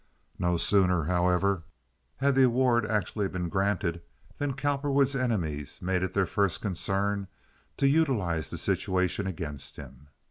No sooner, however, had the award actually been granted than Cowperwood's enemies made it their first concern to utilize the situation against him.